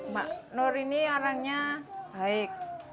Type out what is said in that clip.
mak nur ini orangnya baik